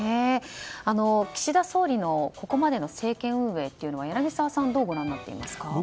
岸田総理のここまでの政権運営というのは柳澤さんどうご覧になっていますか。